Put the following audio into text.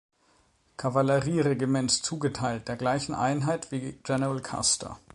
Kavallerieregiments zugeteilt, der gleichen Einheit wie General Custer.